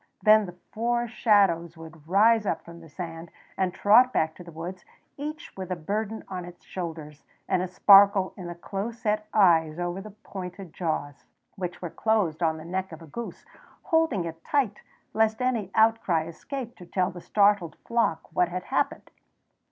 Then the four shadows would rise up from the sand and trot back to the woods, each with a burden on its shoulders and a sparkle in the close set eyes over the pointed jaws, which were closed on the neck of a goose, holding it tight lest any outcry escape to tell the startled flock what had happened.